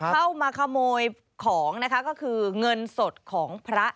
เข้ามาขโมยของนะคะก็คือเงินสดของพระ